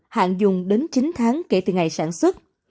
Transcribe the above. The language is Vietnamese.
hạn dùng đến chín tháng kể từ ngày sản xuất